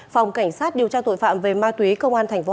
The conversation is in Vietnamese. phòng cảnh sát điều tra tội phạm về ma túy công an tp hcm chủ trì